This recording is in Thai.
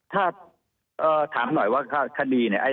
ถ้าถามหน่อยว่าคดีเนี่ย